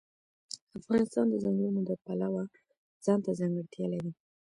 افغانستان د ځنګلونو د پلوه ځانته ځانګړتیا لري.